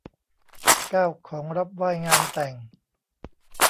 เก้า ของรับไหว้งานแต่ง